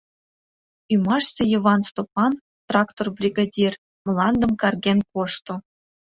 Ӱмашсе Йыван Стопан, трактор бригадир, мландым карген кошто.